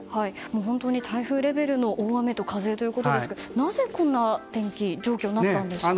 本当に台風レベルの大雨と風ということですがなぜこんな天気状況になったんですか？